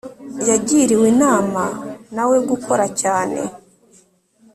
yagiriwe inama na we gukora cyane